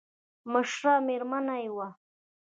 مشره مېرمن يې وه.